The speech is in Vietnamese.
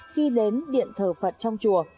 khi đến điện thờ phật trong chùa